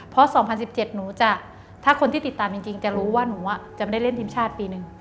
เพราะ๒๐๑๗หนูจะถ้าคนที่ติดตามจริงจะรู้ว่าหนูจะไม่ได้เล่นทีมชาติปีหนึ่ง